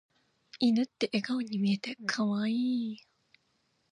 犬って笑顔に見えて可愛い。